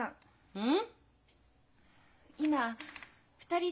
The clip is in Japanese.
うん。